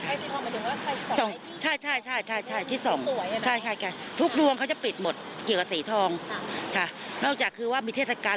ค่ะใช่ใช่ใจทุกรวงเขาจะปิดหมดคิดว่าสีทองต้องแกบคือว่ามีเทศกา